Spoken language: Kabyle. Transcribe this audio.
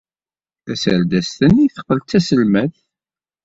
Taserdast-nni teqqel d taselmadt.